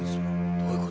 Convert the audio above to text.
・どういうこと？